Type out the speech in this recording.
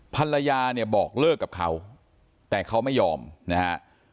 ภรรยาเนี่ยบอกเลิกกับเขาแต่เขาไม่ยอมนะฮะ